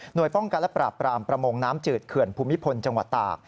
โดยป้องกันและปราบปรามประมงน้ำจืดเขื่อนภูมิพลจังหวัดตาก